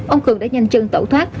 ông cường đã nhanh chân tẩu thoát